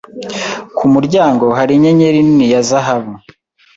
Ku muryango hari inyenyeri nini ya zahabu.